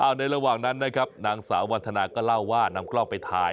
ในระหว่างนั้นนะครับนางสาววันธนาก็เล่าว่านำกล้องไปถ่าย